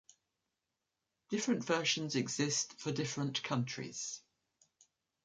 Different versions exist for different countries.